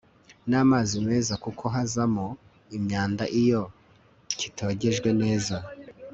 n'amazi meza, kuko hazamo imyanda iyo kitogejwe neza